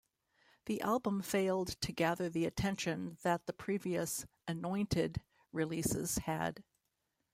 The album failed to gather the attention that the previous Anointed releases had.